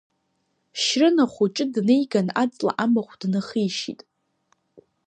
Шьрын ахәҷы днеиган аҵла амахә днахишьит.